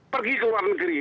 pergi ke luar negeri